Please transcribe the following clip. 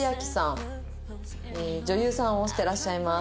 女優さんをしてらっしゃいます。